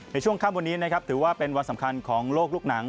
ในช่วงค่ำวันนี้นะครับถือว่าเป็นวันสำคัญของโลกลูกหนัง